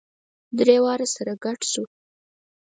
درې واړه سره ګډ شوو.